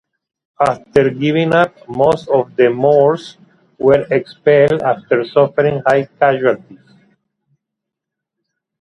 After giving up, most of the Moors were expelled after suffering high casualties.